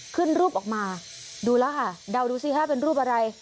ขึ้นรูปออกมาดูแล้วค่ะเดาดูสิค่ะเป็นรูปอะไร